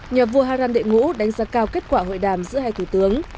nhà vua hà ràn đệ ngũ đánh giá cao kết quả hội đàm giữa hai thủ tướng